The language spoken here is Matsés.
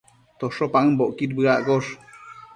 tosho paëmbocquid bëaccosh